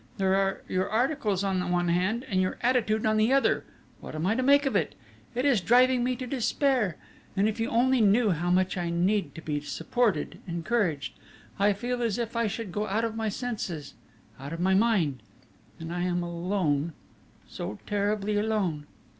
There are your articles on the one hand, and your attitude on the other what am I to make of it? It is driving me to despair! And if you only knew how much I need to be supported, encouraged; I feel as if I should go out of my senses out of my mind ... and I am alone, so terribly alone!"